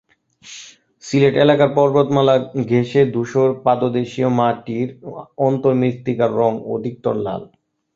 সিলেট এলাকার পর্বতমালাগুলি ঘেঁষে ধূসর পাদদেশীয় মাটির অন্তর্মৃত্তিকার রং অধিকতর লাল।